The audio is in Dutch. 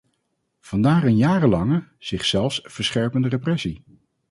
Vandaar een jarenlange, zich zelfs verscherpende repressie.